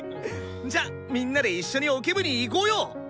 じゃみんなで一緒にオケ部に行こうよ！